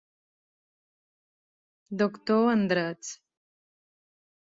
Doctor en drets.